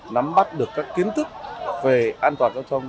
nắm bắt được các kiến thức về an toàn giao thông